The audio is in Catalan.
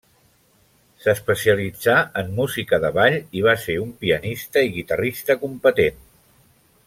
S'especialitzà en música de ball i va ser un pianista i guitarrista competent.